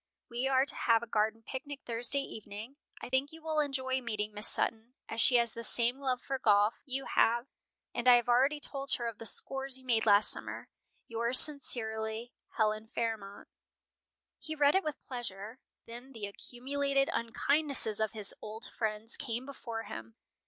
We are to have a garden picnic Thursday evening. I think you will enjoy meeting Miss Sutton, as she has the same love for golf you have, and I have already told her of the scores you made last summer. Yours sincerely, "HELEN FAIRMONT." He read it with pleasure. Then the accumulated unkindnesses of his old friends came before him.